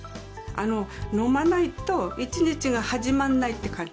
飲まないと一日が始まんないって感じ。